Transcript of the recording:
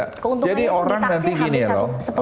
keuntungan yang ditaksir habis sepuluh triliun pak